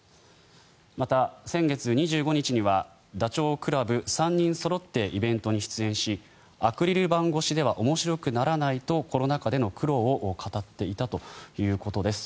また、先月２５日にはダチョウ倶楽部３人そろってイベントに出演しアクリル板越しでは面白くならないとコロナ禍での苦労を語っていたということです。